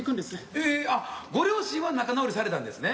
ええっあっご両親は仲直りされたんですね？